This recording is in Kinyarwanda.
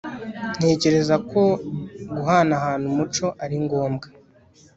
Ntekereza ko guhanahana umuco ari ngombwa